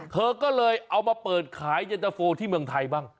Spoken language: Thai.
เธอก็เลยเอามาเปิดขายเย็นตะโฟที่เมืองไทยบ้าง